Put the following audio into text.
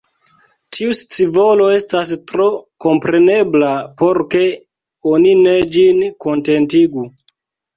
Tiu scivolo estas tro komprenebla, por ke oni ne ĝin kontentigu.